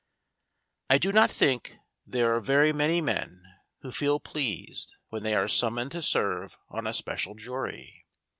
I DO not think there are very many men who feel pleased when they are summoned to serve on a special jury.